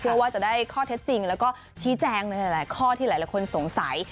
ว่าจะได้ข้อเท็จจริงแล้วก็ชี้แจงในหลายข้อที่หลายคนสงสัย